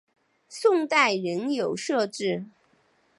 宋代仍有设置。